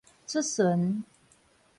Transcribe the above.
出巡